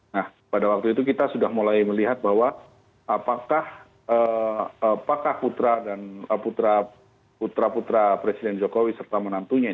nah pada waktu itu kita sudah mulai melihat bahwa apakah putra putra presiden jokowi serta menantunya